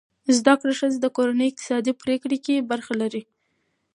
زده کړه ښځه د کورنۍ اقتصادي پریکړې کې برخه لري.